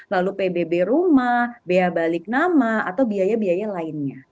lalu pbb rumah bea balik nama atau biaya biaya lainnya